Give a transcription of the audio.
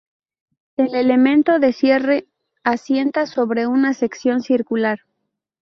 El elemento de cierre asienta sobre una sección circular.